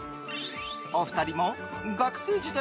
お二人も学生時代